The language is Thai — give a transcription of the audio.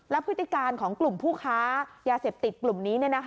พฤติการของกลุ่มผู้ค้ายาเสพติดกลุ่มนี้